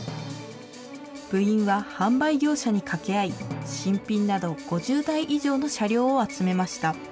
部員は販売業者に掛け合い、新品など５０台以上の車両を集めました。